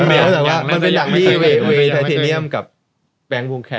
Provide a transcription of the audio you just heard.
มันเป็นหนังที่เวย์แพทย์เนียมกับแบงค์วงแคร์